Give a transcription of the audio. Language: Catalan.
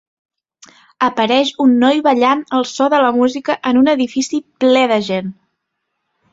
Apareix un noi ballant al so de la música en un edifici ple de gent.